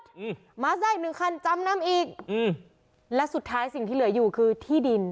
อืมมาซะอีกหนึ่งคันจำนำอีกอืมและสุดท้ายสิ่งที่เหลืออยู่คือที่ดิน